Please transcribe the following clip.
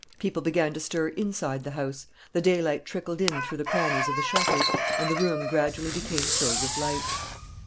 People began to stir inside the house. The daylight trickled in through the crannies of the shutters, and the room gradually became filled with light.